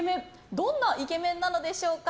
どんなイケメンなのでしょうか？